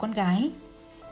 cứ ngày già mồng một